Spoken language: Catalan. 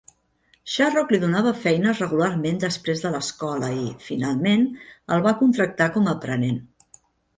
Sharrock li donava feines regularment després de l'escola i, finalment, el va contractar com a aprenent.